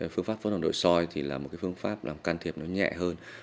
phương pháp phẫu thuật nội soi thì là một phương pháp làm can thiệp nó nhẹ hơn